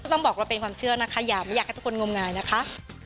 ต้องบอกว่าเป็นความเชื่อนะคะอย่าไม่อยากให้ทุกคนงมงายนะคะ